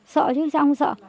sợ chứ sao ông sợ